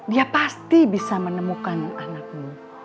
dia pasti bisa menemukan anakmu